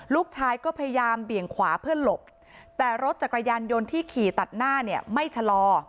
ลูกชายก็พยายามเบี่ยงขวาเพื่อหลบแต่รถจักรยานยนต์ที่ขี่ตัดหน้าเนี่ยไม่ชะลอ